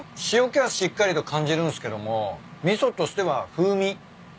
塩気はしっかりと感じるんすけども味噌としては風味。